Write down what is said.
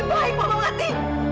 lebih baik mama mati